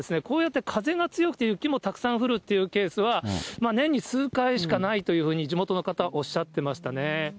こうやって風が強くて雪もたくさん降るっていうケースは、年に数回しかないというふうに地元の方おっしゃってましたね。